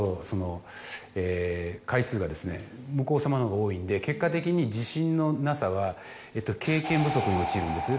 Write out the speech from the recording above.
向こう様のほうが多いんで結果的に自信のなさは経験不足に陥るんです。